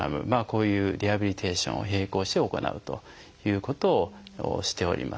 こういうリハビリテーションを並行して行うということをしております。